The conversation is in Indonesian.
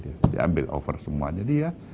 dia tidak mencari semua ofer offernya dia